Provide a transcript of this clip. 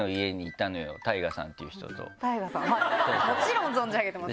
もちろん存じ上げてます。